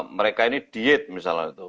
mereka ini diet misalnya